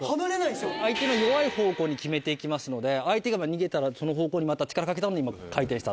相手の弱い方向に決めて行きますので相手が逃げたらその方向にまた力かけたんで今回転した。